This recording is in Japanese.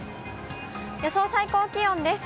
予想最高気温です。